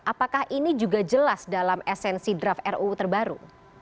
apakah ini juga jelas dalam esensi draft ruu terbaru